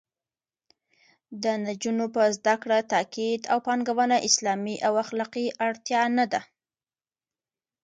د نجونو په زده کړه تاکید او پانګونه اسلامي او اخلاقي اړتیا نه ده